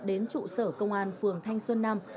đến trụ sở công an phường thanh xuân nam